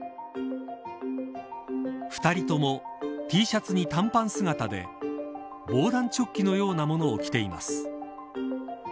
２人ともＴシャツに短パン姿で防弾チョッキのようなものを着ています。